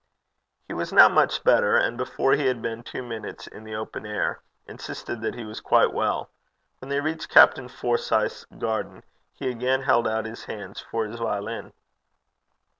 He was now much better, and before he had been two minutes in the open air, insisted that he was quite well. When they reached Captain Forsyth's garden he again held out his hands for his violin.